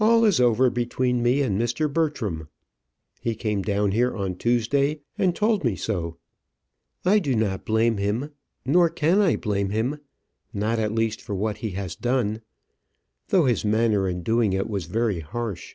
All is over between me and Mr. Bertram. He came down here on Tuesday and told me so. I do not blame him. Nor can I blame him; not at least for what he has done, though his manner in doing it was very harsh.